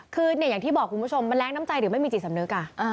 คืออย่างที่บอกคุณผู้ชมมันแรงน้ำใจหรือไม่มีจิตสำนึก